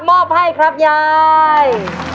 มอบให้ครับยาย